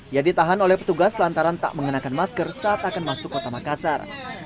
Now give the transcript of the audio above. ia ditahan oleh petugas lantaran tak mengenakan masker saat akan masuk kota makassar